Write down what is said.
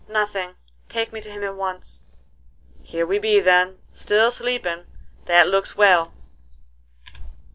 "Nothing; take me to him at once." "Here we be then. Still sleepin': that looks well."